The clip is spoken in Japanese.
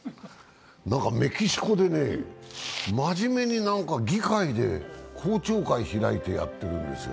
なんかメキシコでね、真面目になんか議会で公聴会を開いてやってるんですよ。